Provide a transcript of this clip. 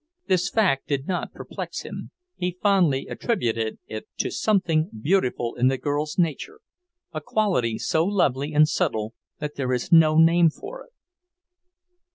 This fact did not perplex him; he fondly attributed it to something beautiful in the girl's nature, a quality so lovely and subtle that there is no name for it.